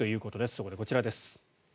そこでこちらです。